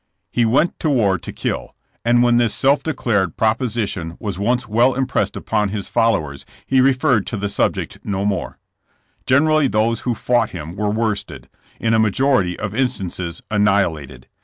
He went to war to kill, and when this self declared prop osition was once well impressed upon his followers, he referred to the subject no more. Generally those who fought him were worsted; in a majority of instances annihilated.